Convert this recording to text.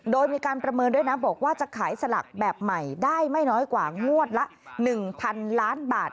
โดยมีการประเมินด้วยนะบอกว่าจะขายสลากแบบใหม่ได้ไม่น้อยกว่างวดละ๑๐๐๐ล้านบาท